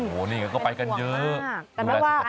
หัวนี่นะเราก็ไปกันเยอะดูแลสุขภาพกันด้วย